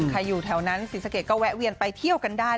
อยู่แถวนั้นศรีสะเกดก็แวะเวียนไปเที่ยวกันได้